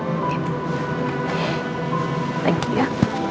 terima kasih ya